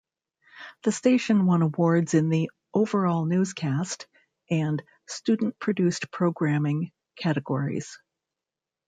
The station won awards in the "overall newscast" and "student produced programming" categories.